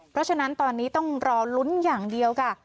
เพราะฉะนั้นตอนนี้ต้องรอลุ้นอย่างเดียวค่ะ